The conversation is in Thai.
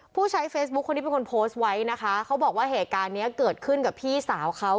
ผู้ใช้เฟซบุ๊คคนนี้เป็นคนโพสต์ไว้นะคะเขาบอกว่าเหตุการณ์เนี้ยเกิดขึ้นกับพี่สาวเขา